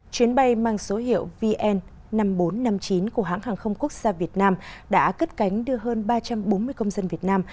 chuyến bay mang số hiệu vn năm nghìn bốn trăm năm mươi chín của hãng hàng không quốc gia việt nam đã cất cánh đưa hơn ba trăm bốn mươi công dân việt nam